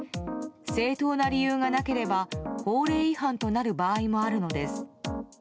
正当な理由がなければ法令違反となる場合もあるのです。